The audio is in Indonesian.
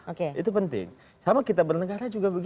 oke itu penting sama kita bernegara